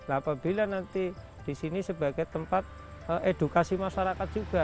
apabila nanti di sini sebagai tempat edukasi masyarakat juga